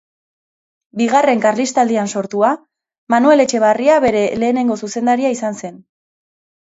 Bigarren Karlistaldian sortua, Manuel Etxebarria bere lehenengo zuzendaria izan zen.